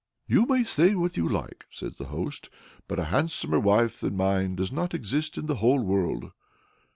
"You may say what you like," says the host, "but a handsomer wife than mine does not exist in the whole world!"